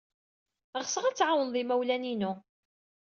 Ɣseɣ ad tɛawned imawlan-inu.